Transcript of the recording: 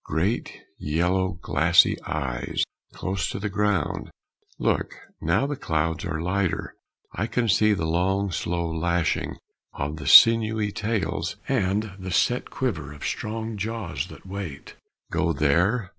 Great yellow, glassy eyes, close to the ground! Look! Now the clouds are lighter I can see The long slow lashing of the sinewy tails, And the set quiver of strong jaws that wait ! Go there?